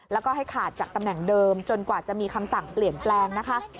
แล้วก็ให้ขาดจากตำแหน่งเดิมจนกว่าจะมีคำสั่งเปลี่ยนแปลงนะคะ